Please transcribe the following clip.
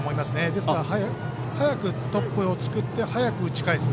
ですから、早くトップを作って早く打ち返す。